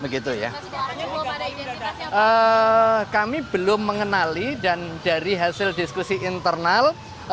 kami belum mengenali dan dari hasil diskusi internal